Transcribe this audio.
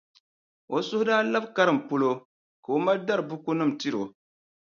O suhu daa labi karim polo ka o ma dari bukunima n-tiri o.